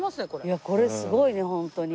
いやこれすごいねホントに。